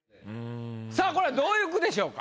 さあこれはどういう句でしょうか？